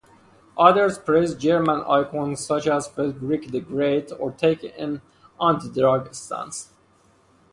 Others praise German icons such as Frederick the Great or take an anti-drug stance.